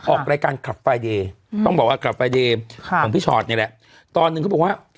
ออกรายการต้องบอกว่าของพี่เนี่ยแหละตอนหนึ่งเขาบอกว่า